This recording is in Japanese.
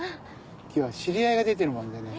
今日は知り合いが出てるもんでね。